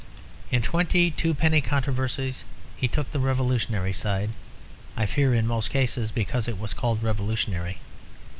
In twenty twopenny controversies he took the revolutionary side, I fear in most cases because it was called revolutionary.